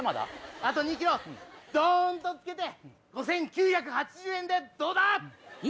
あと２ｋｇどん！とつけて５９８０円でどうだ